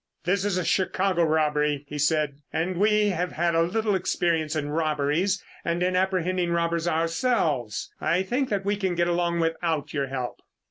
"This is a Chicago robbery," he said, "and we have had a little experience in robberies and in apprehending robbers ourselves. I think that we can get along without your help."